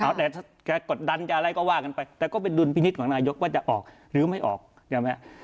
เอาแต่ถ้าจะกดดันจะอะไรก็ว่ากันไปแต่ก็เป็นดุลพินิษฐ์ของนายกว่าจะออกหรือไม่ออกใช่ไหม